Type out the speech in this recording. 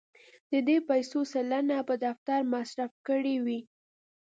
د دې پیسو سلنه په دفتر مصرف کړې وې.